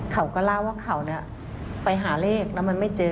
เขาก็เล่าว่าเขาเนี่ยไปหาเลขแล้วมันไม่เจอ